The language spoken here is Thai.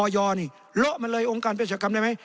อยนี่โละมันเลยองค์การเปรียสัจกรรมได้ไหม